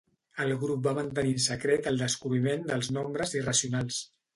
El grup va mantenir en secret el descobriment dels nombres irracionals.